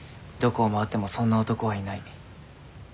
どこを回ってもそんな男はいない。